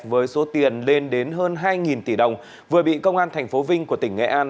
với số tiền lên đến hơn hai tỷ đồng vừa bị công an tp vinh của tỉnh nghệ an